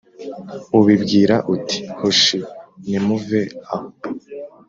ubibwira uti «Hoshi ! Nimuve aho !»